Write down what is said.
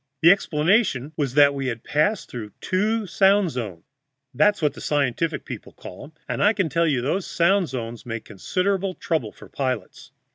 The explanation was that we had passed through two sound zones that's what the scientific people call 'em and I can tell you those sound zones make considerable trouble for pilots."